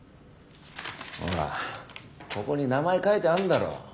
ほらここに名前書いてあんだろ。